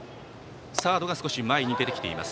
サードが少し前に出てきています